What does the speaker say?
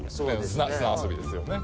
砂遊びですよね。